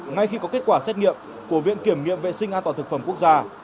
ngay khi có kết quả xét nghiệm của viện kiểm nghiệm vệ sinh an toàn thực phẩm quốc gia